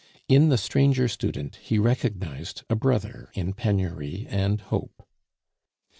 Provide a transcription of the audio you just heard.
In the stranger student he recognized a brother in penury and hope.